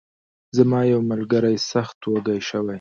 زما یو ملګری سخت وږی شوی.